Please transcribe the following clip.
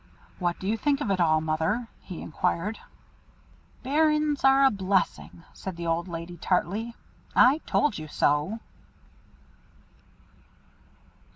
"What do you think of it all, Mother?" he inquired. "Bairns are a blessing," said the old lady tartly, "_I told you so.